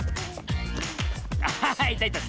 あいたいた。